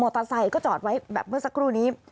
เตอร์ไซค์ก็จอดไว้แบบเมื่อสักครู่นี้